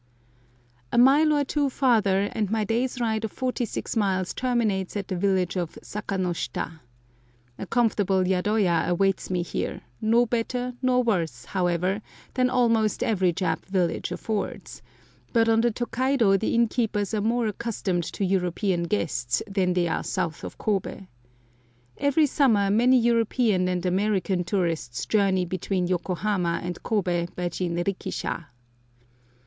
A mile or two farther and my day's ride of forty six miles terminates at the village of Saka no shita. A comfortable yadoya awaits me here, no better nor worse, however, than almost every Jap village affords; but on the Tokaido the innkeepers are more accustomed to European guests than they are south of Kobe. Every summer many European and American tourists journey between Yokohama and Kobe by jinrikisha.